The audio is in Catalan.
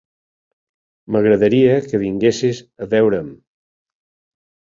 M'agradaria que vinguessis a veure'm.